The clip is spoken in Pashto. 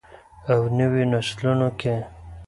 او نویو نسلونو کې.